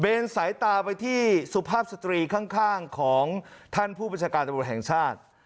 เบนสายตาไปที่สุภาพสตรีข้างข้างของท่านผู้ประชาการจับบุตรแห่งชาติ